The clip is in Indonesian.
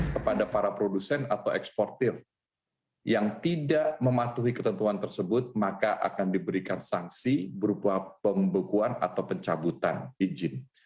kepada para produsen atau eksportir yang tidak mematuhi ketentuan tersebut maka akan diberikan sanksi berupa pembekuan atau pencabutan izin